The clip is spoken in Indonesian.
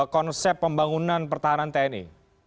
konsep pembangunan pertahanan tni